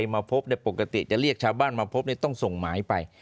มาเกิ้ลผ่านเติร์ดส่องไหมไป